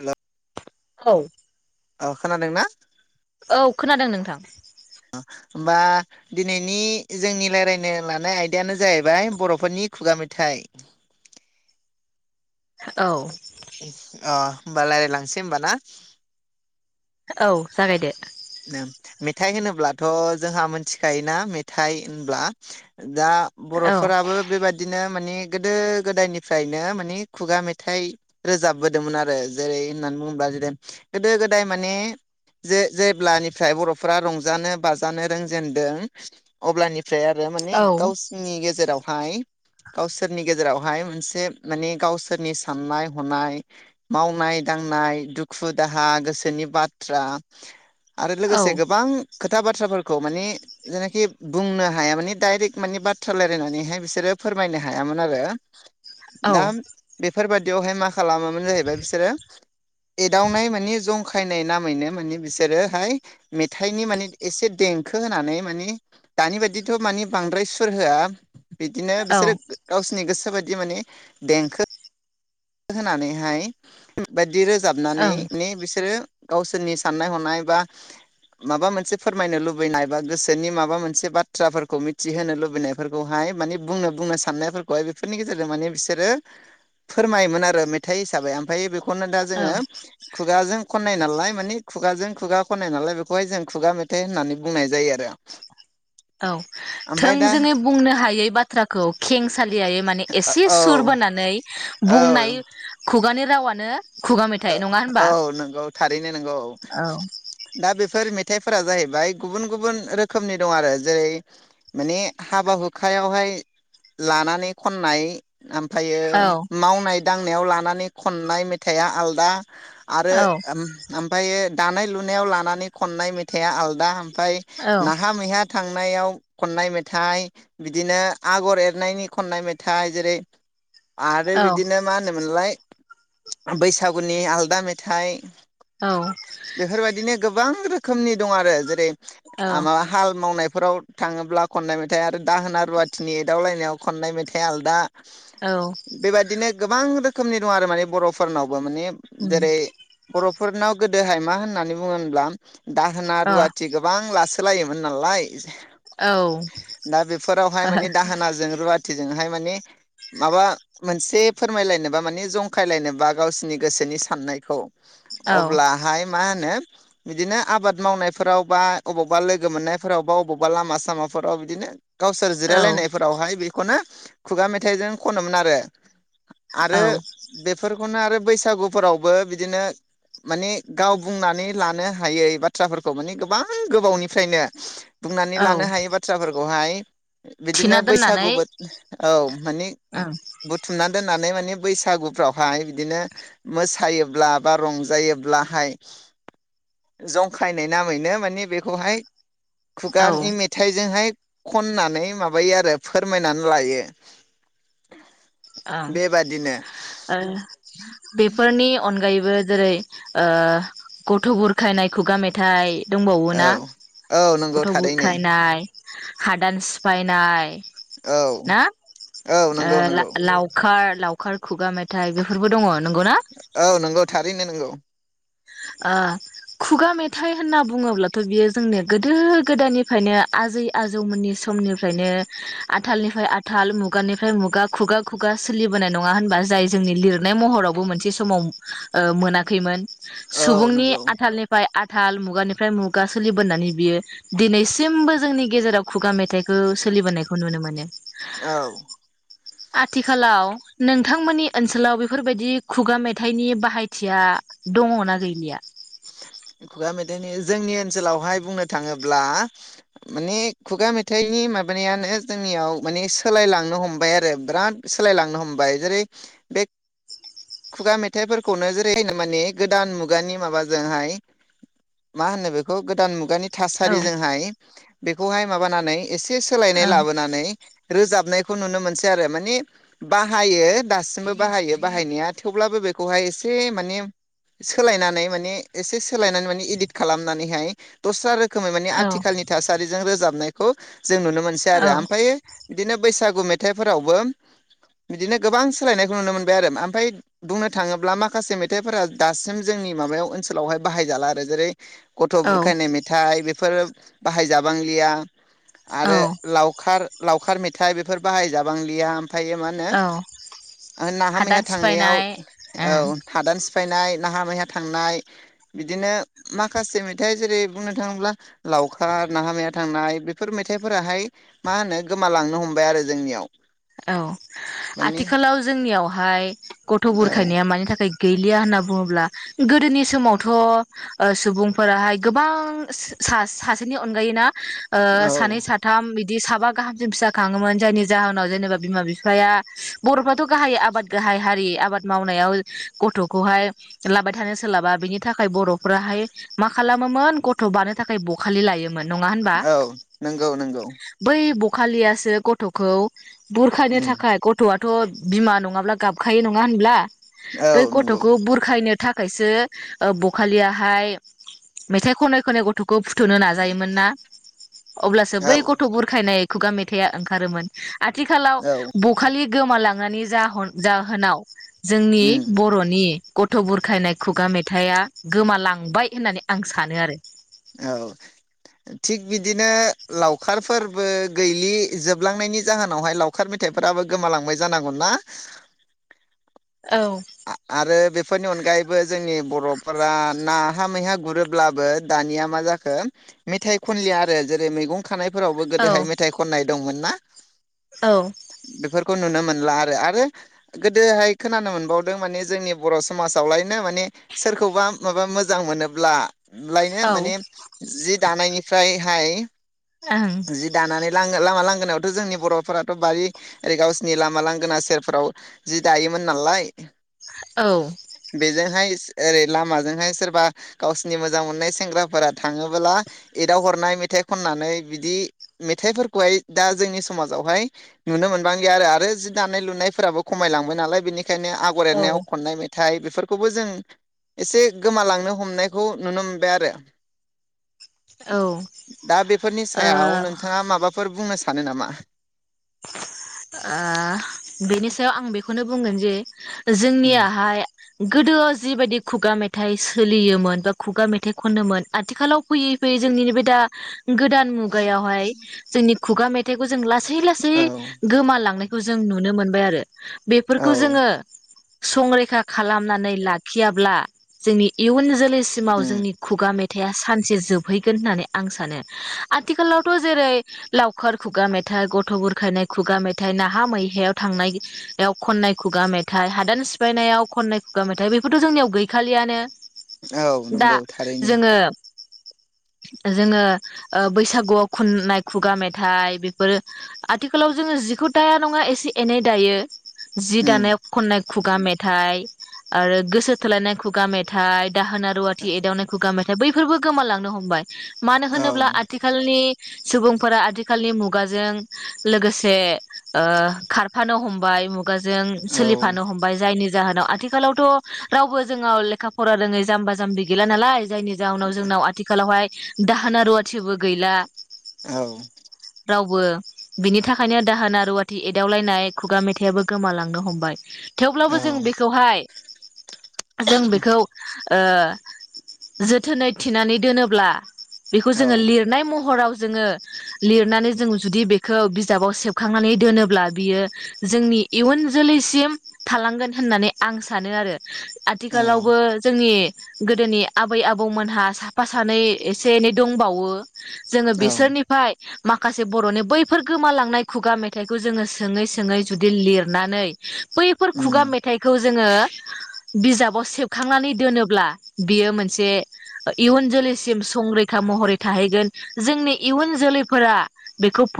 हेल' औ औ खोनादों ना औ खोनादों नोंथां होमबा दिनैनि जोंनि रायज्लायनो लानाय आयदायानो जाहैबाय बर'फोरनि खुगा मेथाइ औ अ होनोमबा रायलायलांसै होमबाना औ जागायदो मेथाइ होनोब्लाथ' जोंहा मोनथिखायोना मेथाइ होनब्ला दा औ बर'फोराबो बेबायादिनो माने गोदो गोदायनिफ्रायनो माने खुगा मेथाइ रोजाबबोदोंमोन आरो जेरै होननानै बुङोब्ला ज गोदो गोदाय माने जे जेब्लानिफ्राय बर'फोरा रंजानो बाजानो रोंजेनदों अब्लानि फ्राय आरो माने औ गावसिनि गेजेराव फाइ गावसोरनि गेजेरावहाय मोनसे माने गावसोरनि साननाय हनाय मावनाय दांनाय दुखु दाहा गोसोनि बाद थ्रा आरो औ लोगोसे गोबां खोथा बाथ्राफोरखौ मानिे जेनाखि बुंनो हाया माने डायरेक्ट मानिे बाथ्रा रायलायनानैहाय बिसोरो फोरमायनो हायामोन आरो दाम बे औ बेफोरबायाददियावहाय मा खालामामोन जाहैबाय बिसोरो एदावनाय मानि जंखायनाय ना मैनो माने बिसोरोहाय मेथाइनि माने एसे देंखो होनानै माने दानि बाददिथ' मानि बांद्राय सुर होआ बिदिनो बिसोरो गावसिनि गोस सोबायदि माने देंखो होनानैहाय बायद बिदि रोजाबनानै ओं बिसोरो गावसोरनि साननाय हनाय बा माबा मोनसे फोरमायनो लुबैनाय बा गोसोनि माबा मोनसे बाथ्राफोरखौ मिथिहोनो लुबैनायफोरखौहाय माने बुंनो बुंनो साननायफोरखौहाय बेफोरनि गेजेरजों माने बिसोरो फोरमायोमोन आरो मेथाइ हिसाबै ओमफ्राय बेख खौनो दा औ जोङो खुगाजों खननाय नालाय मानि खुगाजों खुगा खनाय नालाय बेखौहाय जों खुगा मेथाइ होननानै बुंनाय जायो आरो औ ओमफ्राय दा थोंजोङै बुंनो हायै बाथ्राखौ खेंसा लियायै माने एसे औ सुर बानै बुंनाय खुगानि रावानो खुगा ओ मेथाइ नङा होनबा औ नंगौ थारैनो नंगौ औ दा बेफोर मेथाइफोरा जाहै बाय गुबुन गुबुन रोखोमनि दं आरो जेरै माने हाबा हुखायावहाय लानानै खननाय ओमफ्रायो औ मावनाय दांनायाव लाना नै खननाय मेथाइआ आल दा। आरो औ ओम-ओमफायो दानाय लुनायाव लानानै खननाय मेथाइआ आलदा ओम फाय नाहा मैहा थां नायाव खननाय मेथाइ बिदिनो आगर एरनायनि खननाय मेथाइ जेरै आरो औ बिदिनो मा होनोमोनलाय बैसा बैसागुनि आलदा मेथाइ। औ बेफोरबायदिनो गोबां रो खोमनि दं आरो जेरै औ आह माबा हाल मावनाय फोराव थाङोब्ला खननाय मेथाइ आरो दाहोना रुवाथिनि एदावलायनायाव खननाय मेथाइआ आलदा। औ बेबायदिनो गोबां रो खोमनि दं आरो माने बर'फोरनाव। माने उम जेरै बर'फोरनाव गो दोहाय मा होननानै बुङो होनब्ला दाहोना अ रुवाथि गोबां लासै सोलायोमोन नालाय औ दा बेफोरावहाय माने दाहोनाजों रुवा थिजोंहाय माने माबा मोनसे फोरमायलायनोब्ला माने जंखायलायनोबा गावसिनि गोसोनि साननायखौ औ अब्लाहाय मा होनो बिदिनो आबाद मावनायफोराव बा अबावबा लोगो मोननायफोराव बा अबावबा लामा सामाफोराव बिदिनो गावसोर औ जिरायलायनायफोरावहाय बे खनो खुगा मेथाइजों खनोमोन आरो। औ आरो बेफोर खौनो आरो बैसागुफोरावबो बिदिनो माने गाव बुंनानै लानो हायै बाथ्राफोरखौ माने गोबां गोबावनिफ्रायनो बुंनानै औ लानो हायि बाथ्राफोरखौहाय थिना बिदिनो बैसागु दोननानै बो औ माने ओं बुथुमना दोन होननानै माने बैसागुफ्राव फाय बिदिनो मोसायोब्ला बा रंजायोब्लाहाय जंखायनाय नामैनो माने बेखौहाय औ खुगानि मेथाइजोंहाय खननानै माबायो आरो फोरमायनानै लायो। ओं बेबादिनो। ओ बेफोरनि अनगायै बो जेरै ओ गथ' बुरखायनाय खुगा मेथाइ औ दंबावोना औ नंगौ गथ' थारैनो बुरखायनाय हादान सिफायनाय औ औ नोंगौ नोंगौ। लावखा खार लावखार खुगा मेथाइ बेफोरबो दङ। नंगौना औ नंगौ थारैनो नोंगौ। ओ खुगा मेथाइ होनना बुङोब्लाथ' बियो जोंनो गोदो गोदायनिफ्रायनो आजै आजौमोननि स समनिफ्रायनो आ थालनिफ्राय आथाल मुगानिफ्राय मुगा खुगा खुगा सोलिबोनाय नङा होनबा जाय जोंनि लिरनाय महरावबो मोनसे समाव ओ मोनाखैमोन। औ सुबुंनि नंगौ आथालनिफ्राय आ थाल मुगानिफ्राय मुगा सोलिबोनानै बियो दिनैसिमबो जोंनि गेजेराव खुगा मेथाइखौ सोलिबोनायखौ नुनो मोनो। औ। आथिखालाव नोंथांमोननि ओनसोलाव बेफोरबायदि खुगा मेथाइनि बाहायथिया दङ ना गैलिया? खुगा मेथाइनि जोंनि ओनसोलावहाय बुंनो थाङोब्ला माने खुगा मेथाइनि माबानायानो जोंनियाव माने सोलायलांनो हमबाय आरो बिराद सोलायलांनो हमबाय जेरै बे खुगा मेथाइफोरखौनो जेरै होनो माने गोदान मुगानि माबाजोंहाय मा होनो बेखौ गोदान मुगानि औ थासारिजोंहाय बेखौहाय माबानानै एसे सोलायनाय ओं लाबोनानै रोजाबनायखौ नुनो मोनसै आरो मानि बाहायो दासिमबो बाहायो बाहायनाया थेवब्लाबो बेखौहाय एसे माने सोलायनानै माने एसे सोलायनानै माने इदिट खालामनानैहाय दस्रा रो खोमै माने औ आथिखालनि थासारिजों रोजाबनाय खौ जों नुनो मोनसै औ आरो ओमफ्रायो बिदिनो बैसागु मेथाइफोरावबो बिदिनो गोबां सोलायनायखौ नुनो मोनबाय आरो ओमफ्राय बुंनो थाङोब्ला माखासे मेथाइफोरा दासिम जोंनि माबायाव ओनसोलावहाय बाहाय जाला आरो जेरै गथ' औ बुरखायनाय मेथाइ बेफोर बाहाय जाबांलिया आरो औ लावखार लावखार मेथाइ बेफोर बाहायजाबांलिया। थायो मा औ होनो नाहा मैहा हादान थांनायाव सिफायनाय ओं औ हादान सिफायनाय नाहा मैहा थांनाय बि बिदिनो माखासे मेथाइ जेरै बुंनो थाङोब्ला लावखार नाहामाया थांनाय बेफोर मेथाइफोराहाय मा होनो गोमालांनो हमबाय आरो जोंनियाव औ माने आथिखालाव जोंनियावहाय [inaudible] गथ' औ बुरखायनाया मानि थाखाय गैलिया होनना बुङोब्ला गोदोनि समावथ' ओ सुबुंफोराहाय गोबां सा-सासेनि अनगायै ना ओ सानै औ साथाम बि बिदि साबा गाहामसिम फिसा खाङोमोन जायनि जाहोनाव जेनेबा बिमा बिफाया बर'फ्राथ' गाहाय आबाद गाहाय हारि आबाद मावनायाव गथ'खौहाय लाबाय थानो सोलाबा बिनि थाखाय बर'फ्राहाय मा खालामोमोन गथ' बानो थाखाय बखालि लायोम मोन नङा होनबा। औ नंगौ नंगौ बै बख बखालियासो गथ'खौ बुरखानो उम थाखाय गथ'आ गथ' बिमा नङाब्ला गाबखायो नङा होनब्ला औ बै नंगौ गथ'खौ बुरखायनो थाखायसो बखालियाहाय मेथाइ खनै खनै गथ' खौ फुथ'नो नाजायोमोन ना अब्लासो बै औ गथ' बुरखायनाय खुगा मेथाइआ ओंखारोमोन ए आथिखालाव औ बखालि गोमालांनायनि जाहन जाहोनाव जोंनि उम बर'नि गथ' बुरखायनाय खुगा मेथाइआ गोमालांबाय होननानै आं सानो आरो औ थिग बिदिनो लावखारफोरबो गैलि जोबलांनायनि जाहोनावहाय लावखार मेथाइफोराबो गोमालांबाय जानांगौ ना औ बे फोरनि अनगायैबो जोंनि बर'फोरा नाहा मैहा गुरोब्लाबो दानिया मा जाखो मेथाइ खनलिया आरो जेरै मैगं खानायफोरावबो औ गोदोहाय मेथाइ खननाय दंमोन ना औ खौ नुनो मोनला आरो आरो गोदोहाय खोनानो मोनबाव माने जोंनि बर' समाजावलायनो माने सोरखौबा माबा मोजां मोनोब्ला लायनो ओं माने जि दानायनि फ्राय हाय जि दानानै लामा लांगोनायावथ' जोंनि बर'फोराथ' बारि ओरै गावसिनि लामा लांगोना सेरफोराव जि दायोमोन नालाय। बेजोंहाय ओरै लामाजोंहाय सोरबा गावसिनि मोजां मोननाय सेंग्राफोरा थाङोबोला एदाव हरनाय मेथाइ खननानै बिदि मेथाइफोरखौहाय दा जोंनि समाजावहाय नुनो मोनबांलिया आरो आरो जि दानाय लुनायफोराबो खमायलांबाय नालाय बेनिखायनो आगर औ एरनायाव खननाय मे थाइ बेफोरखौबो जों एसे गोमालांनो हमनायखौ नुनो मोनबाय आरो। औ दा बेफोरनि ओ सायाव नोंथाङा माबाफोर बुंनो सा- - नो नामा? ओह बेनि सायाव आं बेखौनो बुंगोन जे उम जोंनियाहाय गोदोआव जिबायदि खुगा मेथाइ सोलियोमोन बा खुगा मेथाइ खनोमोन आथिखालाव फैयै फैयै जोंनि नैबे दा गोदान मुगायावहाय जोंनि खुगा मेथाइखौ जों लासै यै औ गोमालांनाय खौ जों नुनो मोनबाय आरो। बेफोरखौ औ जोङो संरैखा खालामनानै लाखियाब्ला जोंनि इयुन जोलै सिमाव उम जोंनि खुगा मे थाइया सानसे जोबहैगोन होननानै आं सानो आथिखालावथ' जेरै लावखार खुगा मेथाइ गथ' बुर खायनाय खुगा मेथाइ, नाहा मैहायाव थांनायाव खननाय खुगा मेथाइ, हादान सिफायनायाव खननाय खुगा मेथाइ बेफोरथ' जोंनियाव गैखालियानो। औ दा नंगौ थारैनो जोङो जोङो ओ बैसागुआव खननाय खुगा मेथाइ बेफोरो आथिखालाव जोङो जिखौ दाया नङा एसे एनै दायो जि उम दानायाव खननाय खुगा मेथाइ आरो गोसो थोलायनाय खुगा मेथाइ दाहोना -रुवाथि एदावनाय खुगा मेथाइ बै [unintelligible] गोमालांनो हमबाय। मानो औ होनोब्ला आथिखालनि सुबुंफोरा आथिखालनि मुगाजों लोगोसे ओ खारफानो हमबाय। मुगाजों सोलिफानो हमबाय जायनि जाहोनाव आथिखालावथ' रावबो जोंङो लेखा फरा रोङै जाम्बा जाम्बि गैला नालाय। जायनि जाहोनाव जोंनाव आथिखालावहाय दाहोना रुवाथिबो गैला। औ। रावबो बिनि थाखायनो दाहोना रुवाथि एदावलायनाय खुगा मेथाइयाबो गोमालांनो हमबाय। थेवब्लाबो जों बेखौहाय जों बेखौ ओ जोथोनै थिनानै दोनोब्ला बेखौ औ जोंङो लिरनाय महराव जोंङो लिरनानै जों जुदि बे [unintelligible] बिजाबाव सेबखांनानै दोनोब्ला बियो जोंनि इयुन जोलैसिम थालांगोन होननानै आं सानो आरो। औ आथिखालावबो जोंनि गोदोनि आबै -आबौमोनहा साफा सानै एसे एनै दंबावो। जोंङो औ बिसोरनिफ्राय माखासे बर'नि बै बैफोर गोमालांनाय खुगा मेथाइखौ जोंङो सोंङै सोंङै जुदि लिरनानै बैफोर खुगा उम मेथाइखौ जोंङो बिजाबाव सेबखांनानै दोनोब्ला बियो मोनसे इयुन जोलैसिम संरैखा महरै थाहैगोन जोंनि इयुन जोलैफोरा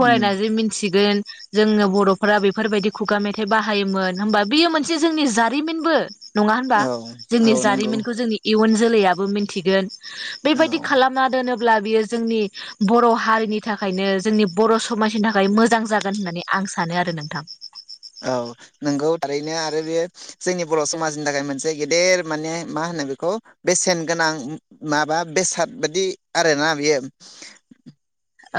उम जे मिथिगोन। जोंनो बर'फोरा बेफोरबायदि खुगा मेथाइ बाहायोमोन होमबा बेयो मोनसे जोंनि जारिमिनबो नंङा होनबा? औ औ जोंनि नंगौ जारिमिनखौ जोंनि इयुन जोलैयाबो मिथिगोन। औ बेबायदि खालामना दोनोबा अब्ला बियो जोंनि बर' हारिनि थाखायनो जोंनि बर' समाजनि थाखाय मोजां जागोन होननानै आं सानो आरो नोंथां। औ नोंगौ थारैनो आरो बेयो जोंनि बर' समाजनि थाखाय मोनसे गेदेर माने मा होनो बेखौ बेसेन गोनां माबा बेसाद बादि आरोना बेयो।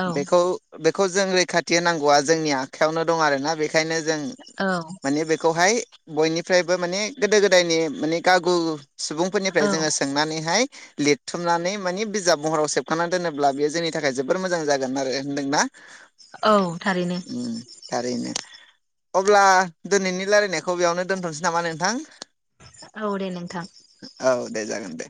औ बेखौ बेखौ जों रै खाथि होनांगौआ जोंनि आखायावनो दं आरो ना बेखायनो जों औ माने बेखौहाय बयनिफ्रायबो माने गोदो गोदायनि माने गागु औ सुबुंफोरनिफ्राय जोंङो सोंनानैहाय लिरथुमनानै माने बिजाब महराव सेबखांना दोनोब्ला बेयो जोंनि थाखाय जोबोर मोजां जागोन आरो होनदोंना? औ थारैनो उम थारैनो। अब्ला दिनैनि लारायनायखौ बेयावनो दोनथ'सै नामा नोंथां? औ दे नोंथां। औ दे जागोन दे।